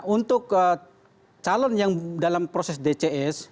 untuk calon yang dalam proses dcs